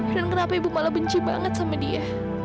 dan kenapa ibu malah benci banget sama dia